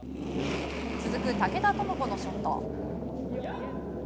続く竹田智子のショット。